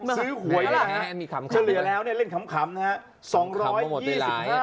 ซื้อหวยเฉลี่ยแล้วเล่นขำนะฮะ